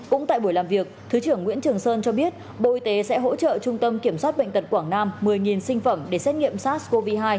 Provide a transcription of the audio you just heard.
cũng tại buổi làm việc thứ trưởng nguyễn trường sơn cho biết bộ y tế sẽ hỗ trợ trung tâm kiểm soát bệnh tật quảng nam một mươi sinh phẩm để xét nghiệm sars cov hai